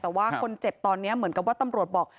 แต่ว่าคนเจ็บตอนนี้เหมือนกับว่าตำรวจบอก